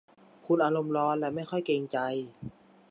คุณอารมณ์ร้อนและไม่ค่อยเกรงใจ